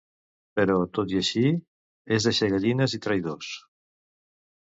Però tot i així, és de ser gallines i traïdors.